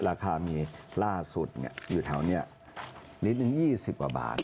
ราคามีล่าสุดเนี้ยอยู่แถวเนี้ยลิตรหนึ่งยี่สิบกว่าบาท